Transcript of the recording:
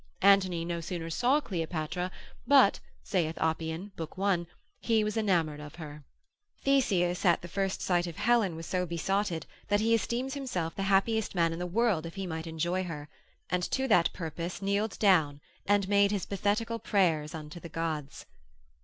Antony no sooner saw Cleopatra, but, saith Appian, lib. 1, he was enamoured of her. Theseus at the first sight of Helen was so besotted, that he esteemed himself the happiest man in the world if he might enjoy her, and to that purpose kneeled down, and made his pathetical prayers unto the gods.